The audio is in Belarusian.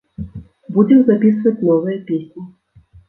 Будзем запісваць новыя песні.